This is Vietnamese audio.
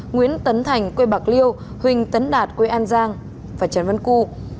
nguyễn tấn thành quê bạc liêu huynh tấn đạt quê an giang và trần vân cụ